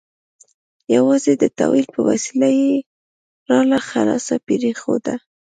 یوازې د تأویل په وسیله یې لاره خلاصه پرېښوده.